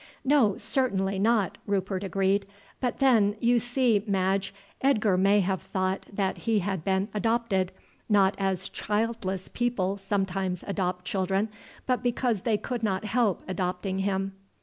"No, certainly not," Rupert agreed; "but then, you see, Madge, Edgar may have thought that he had been adopted, not as childless people sometimes adopt children, but because they could not help adopting him."